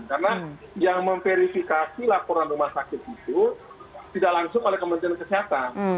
karena yang memverifikasi laporan rumah sakit itu tidak langsung oleh kementerian kesehatan